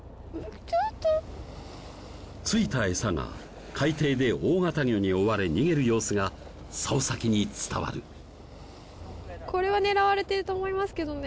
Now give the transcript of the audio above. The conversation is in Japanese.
ちょっと付いたエサが海底で大型魚に追われ逃げる様子が竿先に伝わるこれは狙われてると思いますけどね